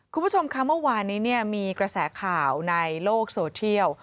คุณผู้ชมค่ะเมื่อวานนี้มีกระแสข่าวในโลกโซเทียล